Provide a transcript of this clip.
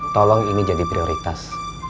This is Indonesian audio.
tolong ini jadi prioritas